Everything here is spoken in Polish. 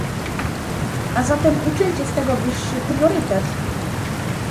A zatem uczyńcie z tego wyższy priorytet